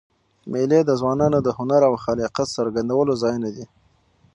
مېلې د ځوانانو د هنر او خلاقیت څرګندولو ځایونه دي.